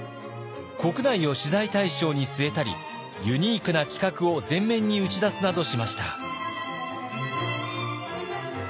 国内を取材対象に据えたりユニークな企画を前面に打ち出すなどしました。